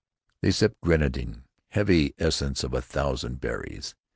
They sipped grenadine, heavy essence of a thousand berries.